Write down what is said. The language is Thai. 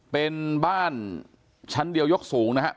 เป็นบ้านชั้นเดียวยกสูงนะครับ